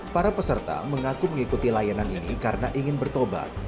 para peserta mengaku mengikuti layanan ini karena ingin bertobat